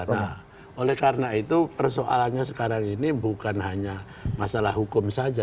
nah oleh karena itu persoalannya sekarang ini bukan hanya masalah hukum saja